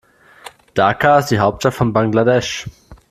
Dhaka ist die Hauptstadt von Bangladesch.